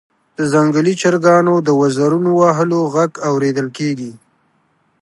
د ځنګلي چرګانو د وزرونو وهلو غږ اوریدل کیږي